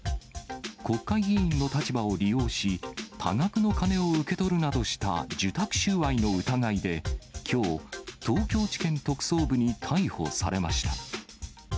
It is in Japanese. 国会議員の立場を利用し、多額の金を受け取るなどした受託収賄の疑いで、きょう、東京地検特捜部に逮捕されました。